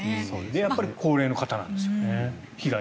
やっぱり高齢の方なんですよね被害は。